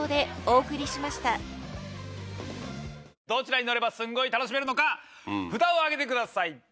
どちらに乗ればスンゴイ楽しめるのか札を上げてください。